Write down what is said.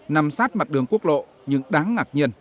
nằm sát mặt đường quốc lộ nhưng đáng ngạc nhiên